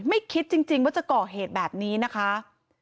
คิดจริงว่าจะก่อเหตุแบบนี้นะคะ